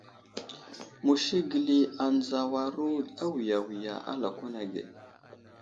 Musi gəli anzawaru awiya wiya a lakwan age.